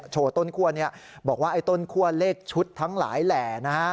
ต้นคั่วนี้บอกว่าไอ้ต้นคั่วเลขชุดทั้งหลายแหล่นะฮะ